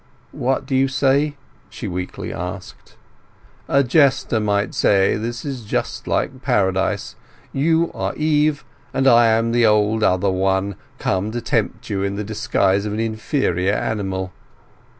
"What do you say?" she weakly asked. "A jester might say this is just like Paradise. You are Eve, and I am the old Other One come to tempt you in the disguise of an inferior animal.